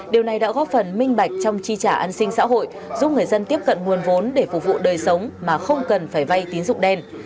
điều này đã góp phần minh bạch trong chi trả an sinh xã hội giúp người dân tiếp cận nguồn vốn để phục vụ đời sống mà không cần phải vay tín dụng đen